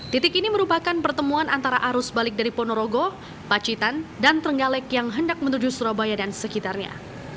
titik ini merupakan pertemuan antara arus balik dari ponorogo pacitan dan trenggalek yang hendak menuju surabaya dan sekitarnya